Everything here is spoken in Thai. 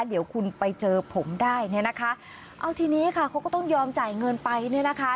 เดี๋ยวคุณไปเจอผมได้เนี่ยนะคะเอาทีนี้ค่ะเขาก็ต้องยอมจ่ายเงินไปเนี่ยนะคะ